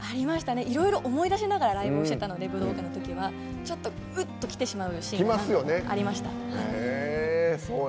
いろいろ思い出しながらライブをしてたので武道館のときちょっと、うっときてしまうシーンがありました。